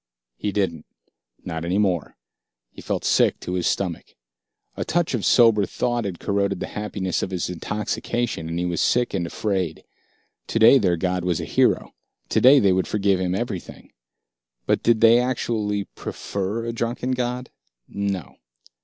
He didn't, not any more. He felt sick to his stomach. A touch of sober thought had corroded the happiness of his intoxication, and he was sick and afraid. Today their god was a hero, today they would forgive him everything. But did they actually prefer a drunken god? No.